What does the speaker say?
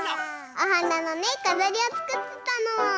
おはなのねかざりをつくってたの。